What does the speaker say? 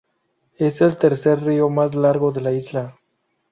Es el tercer río más largo de la isla.